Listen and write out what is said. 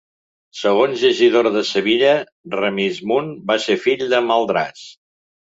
Segons Isidor de Sevilla, Remismund va ser fill de Maldras.